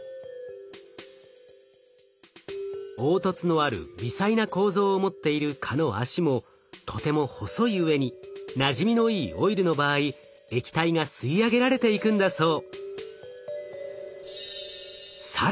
凹凸のある微細な構造を持っている蚊の脚もとても細いうえになじみのいいオイルの場合液体が吸い上げられていくんだそう。